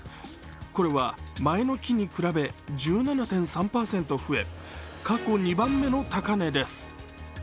これは前の期に比べ１７．３％増え、過去２番目の高値です。